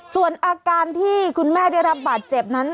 ส่วนอาการที่คุณแม่ได้รับบาดเจ็บนั้น